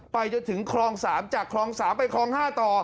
ไปจนถึงคลอง๓จากคลอง๓ไปคลอง๕ต่อ